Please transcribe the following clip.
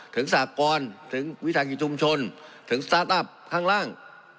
ถึงศาสตร์กรถึงวิทยาคิดชุมชนถึงสตาร์ทอัพข้างล่าง